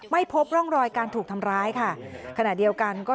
ไม่พบร่องรอยการถูกทำร้ายค่ะขณะเดียวกันก็